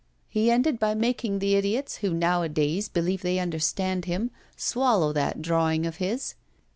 He ended by making the idiots, who nowadays believe they understand him, swallow that drawing of his.